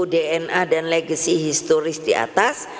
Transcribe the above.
dna dan legasi historis di atas